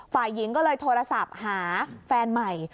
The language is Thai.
ฝ่ายหญิงก็เลยโทรศัพท์หาแฟนใหม่